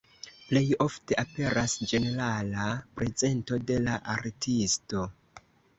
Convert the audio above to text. Plej ofte aperas ĝenerala prezento de la artisto.